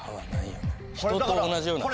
人と同じような。